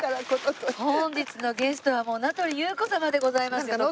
本日のゲストは名取裕子様でございますよ徳さん。